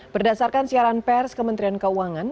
berdasarkan siaran pers kementerian keuangan